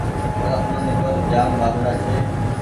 آسمآني پر جآم وآۮڙآ ڇي۔